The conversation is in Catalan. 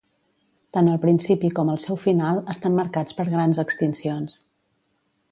Tant el principi com el seu final estan marcats per grans extincions.